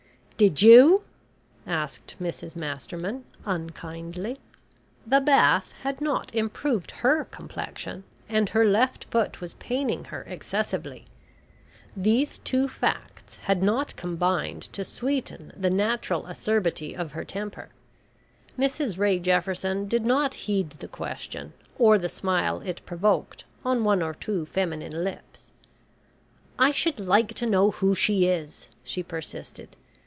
"Did you?" asked Mrs Masterman unkindly. The bath had not improved her complexion, and her left foot was paining her excessively. These two facts had not combined to sweeten the natural acerbity of her temper. Mrs Ray Jefferson did not heed the question, or the smile it provoked on one or two feminine lips. "I should like to know who she is," she persisted.